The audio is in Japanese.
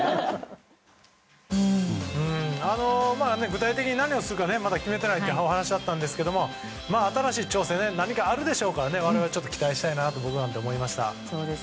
具体的に何をするかまだ決めてないというお話だったんですが新しい挑戦が何かあるでしょうから我々、期待したいなと思いました。